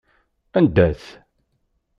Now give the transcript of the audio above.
Anda-t?